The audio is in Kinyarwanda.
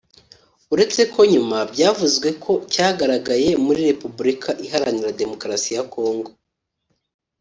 uretse ko nyuma byavuzwe ko cyagaragaye no muri Repubulika iharanira Demokarasi ya Congo